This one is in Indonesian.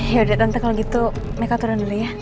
yaudah tante kalau gitu meka turun dulu ya